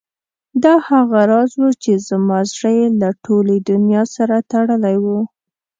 دا هغه راز و چې زما زړه یې له ټولې دنیا سره تړلی و.